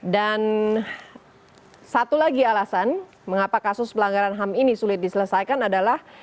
dan satu lagi alasan mengapa kasus pelanggaran ham ini sulit diselesaikan adalah